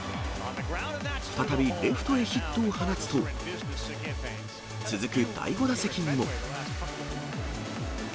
再びレフトへヒットを放つと、続く第５打席にも。